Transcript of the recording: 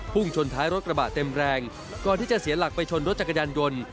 ชนท้ายรถกระบะเต็มแรงก่อนที่จะเสียหลักไปชนรถจักรยานยนต์